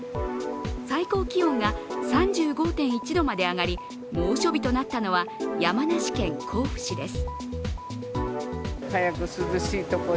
最高気温が３５．１度まで上がり、猛暑日となったのは山梨県甲府市です。